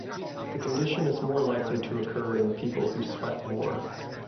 The condition is more likely to occur in people who sweat more.